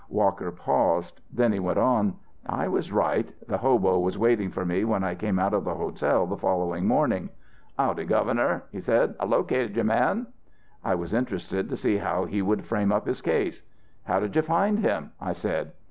Walker paused. Then he went on: "I was right. The hobo was waiting for me when I came out of the hotel the following morning. "'Howdy, Governor,' he said; 'I located your man.' "I was interested to see how he would frame up his case. "'How did you find him?' I said.